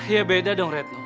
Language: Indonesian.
ya beda dong retno